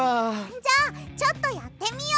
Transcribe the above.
じゃあちょっとやってみよう！